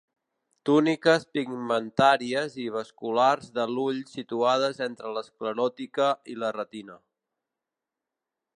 Túniques pigmentàries i vasculars de l'ull situades entre l'escleròtica i la retina.